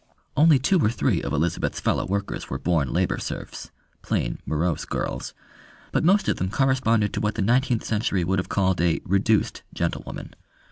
Only two or three of Elizabeth's fellow workers were born labour serfs; plain, morose girls, but most of them corresponded to what the nineteenth century would have called a "reduced" gentlewoman.